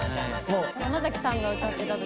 山崎さんが歌ってた時。